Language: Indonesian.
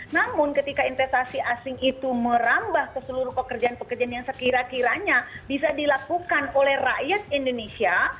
namun ketika investasi asing itu merambah ke seluruh pekerjaan pekerjaan yang sekira kiranya bisa dilakukan oleh rakyat indonesia